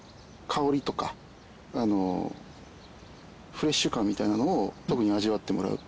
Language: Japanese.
香りとかフレッシュ感みたいなのを特に味わってもらう。